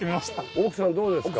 奥さんどうですか？